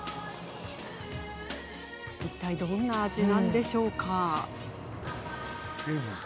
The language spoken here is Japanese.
いったいどんな味なんでしょうか。